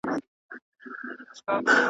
درې څلور یې وه بچي پکښي ساتلي .